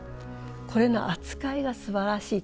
これの扱いがすばらしいということ。